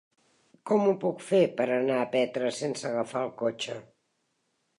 Com ho puc fer per anar a Petra sense agafar el cotxe?